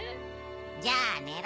じゃあねろ。